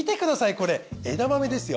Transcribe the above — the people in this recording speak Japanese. これ枝豆ですよ。